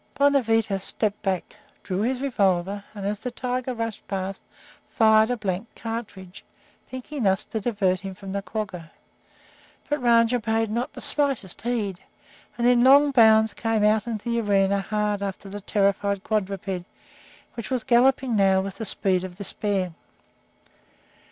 Bonavita stepped back, drew his revolver, and, as the tiger rushed past, fired a blank cartridge, thinking thus to divert him from the quagga. But Rajah paid not the slightest heed, and in long bounds came out into the arena hard after the terrified quadruped, which was galloping now with the speed of despair.